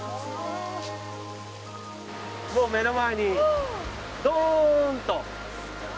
もう目の前にドーンと。